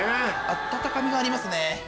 温かみがありますね。